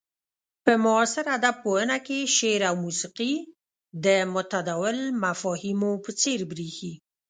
په معاصر ادب پوهنه کې شعر او موسيقي د متداول مفاهيمو په څير بريښي.